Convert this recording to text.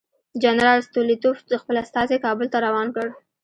جنرال ستولیتوف خپل استازی کابل ته روان کړ.